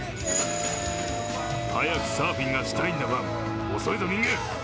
早くサーフィンがしたいんだワン、遅いぞ人間。